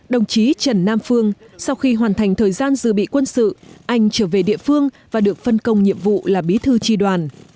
đồng chí trần nam phương sau khi hoàn thành thời gian dự bị quân sự anh trở về địa phương và được phân công nhiệm vụ là bí thư tri đoàn